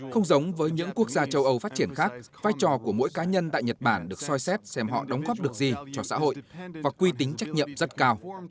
không giống với những quốc gia châu âu phát triển khác vai trò của mỗi cá nhân tại nhật bản được soi xét xem họ đóng góp được gì cho xã hội và quy tính trách nhiệm rất cao